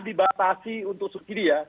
dibatasi untuk subsidian